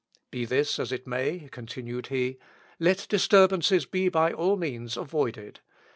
"Be this as it may," continued he, "let disturbances be by all means avoided.